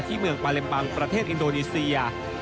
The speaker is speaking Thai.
เมืองปาเลมปังประเทศอินโดนีเซีย